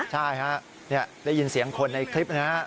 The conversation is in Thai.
ใช่ครับนี่ได้ยินเสียงคนในคลิปนะฮะ